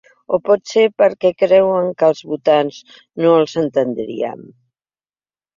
O potser perquè creuen que els votants no els entendrien.